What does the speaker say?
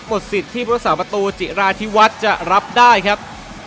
สิทธิ์ที่พุทธศาสประตูจิราธิวัฒน์จะรับได้ครับ